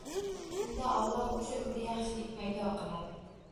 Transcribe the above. Shunda Alloh o‘sha uyda yaxshilik paydo qiladi.